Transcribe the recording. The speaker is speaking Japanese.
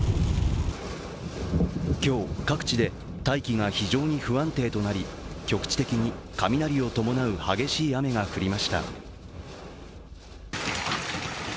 今日、各地で大気が非常に不安定となり局地的に雷を伴う激しい雨が降りました。